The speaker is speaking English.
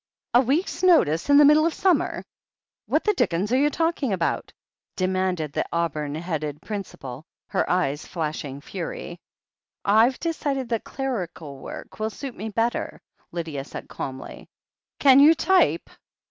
"A week's notice in the middle of the summer ! What the dickens are you talking about?*' demanded the auburn headed principal, her eyes flashing fury. "I've decided that clerical work will suit me better," Lydia said calmly. "Can you type